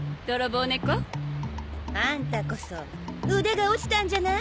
あんたこそ腕が落ちたんじゃない？